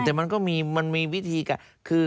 แต่มันก็มีวิธีการ